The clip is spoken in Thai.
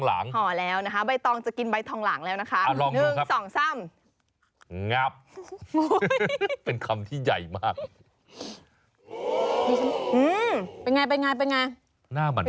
อ่าแล้วลองยิ้มให้คุณผู้ชมดูหน่อย